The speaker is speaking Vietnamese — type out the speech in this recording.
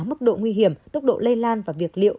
mức độ nguy hiểm tốc độ lây lan và việc liệu